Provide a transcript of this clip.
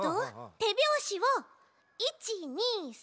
てびょうしを１２３。